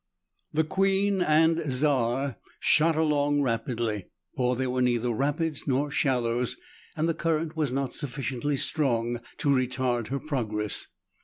The "Queen and Czar" shot along rapidly, for there were neither rapids nor shallows, and the current was not sufficiently strong to retard her progress.